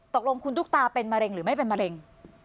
ตกลงคุณตุ๊กตาเป็นมะเร็งหรือไม่เป็นมะเร็ง